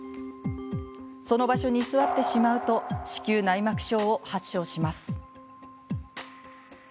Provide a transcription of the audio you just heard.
その場所に居座ってしまうと子宮内膜症を発症します。